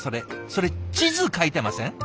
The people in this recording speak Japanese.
それ地図描いてません？